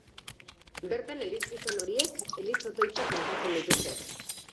Bertan, elizgizon horiek, eliz otoitzak kantatzen dituzte.